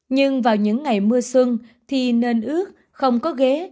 nhưng vào những ngày mưa xuân thì nên ước không có ghế